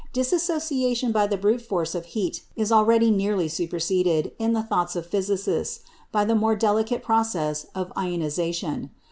Dissociation by the brute force of heat is already nearly superseded, in the thoughts of physicists, by the more delicate process of "ionisation."